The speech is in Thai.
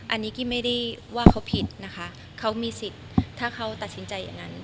อันนี้กี้ไม่ได้ว่าเขาผิดนะคะเขามีสิทธิ์ถ้าเขาตัดสินใจอย่างนั้น